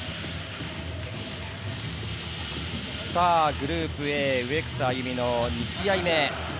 グループＡ植草歩の２試合目。